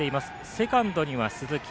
セカンドには鈴木。